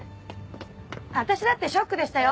私だってショックでしたよ。